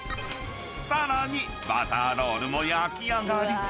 ［さらにバターロールも焼き上がり］